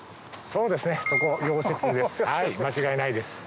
そうですね。